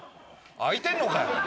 開いてんのかい！